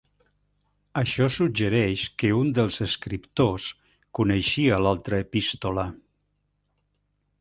Això suggereix que un dels escriptors coneixia l'altra epístola.